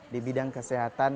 di bidang kesehatan